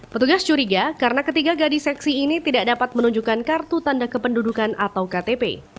petugas curiga karena ketiga gadis seksi ini tidak dapat menunjukkan kartu tanda kependudukan atau ktp